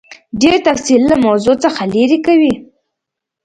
ډېر تفصیل له موضوع څخه لیرې کوي.